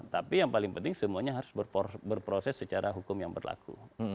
tapi yang paling penting semuanya harus berproses secara hukum yang berlaku